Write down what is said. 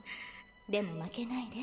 でも負けないで。